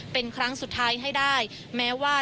เป็นครั้งสุดท้ายให้ได้แม้ว่า